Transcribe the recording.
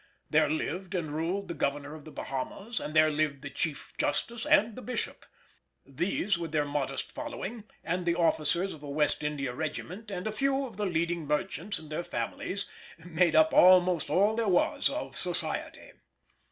There lived and ruled the Governor of the Bahamas, and there lived the Chief Justice and the Bishop; these with their modest following, and the officers of a West India regiment and a few of the leading merchants and their families, made up almost all there was of society!